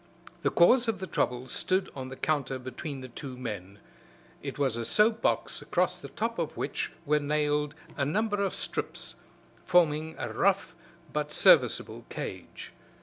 The cause of the trouble stood on the counter between the two men. It was a soap box across the top of which were nailed a number of strips, forming a rough but serviceable cage.